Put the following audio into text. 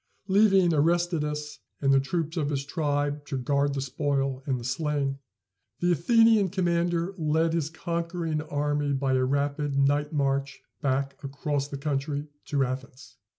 Leaving Aristides, and the troops of his tribe, to guard the spoil and the slain, the Athenian commander led his conquering army by a rapid night march back across the country to Athens.